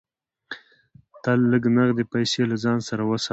تل لږ نغدې پیسې له ځان سره وساته.